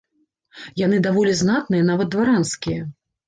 Яны даволі знатныя, нават дваранскія.